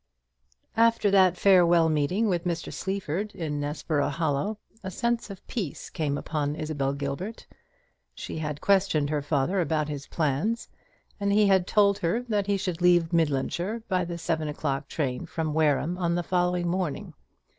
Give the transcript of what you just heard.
After that farewell meeting with Mr. Sleaford in Nessborough Hollow, a sense of peace came upon Isabel Gilbert. She had questioned her father about his plans, and he had told her that he should leave Midlandshire by the seven o'clock train from Wareham on the following morning.